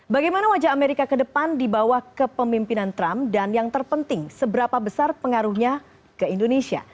bagaimana wajah amerika ke depan di bawah kepemimpinan trump dan yang terpenting seberapa besar pengaruhnya ke indonesia